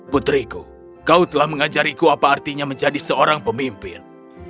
putriku kau telah mengajariku apa artinya menjadi seorang pemimpin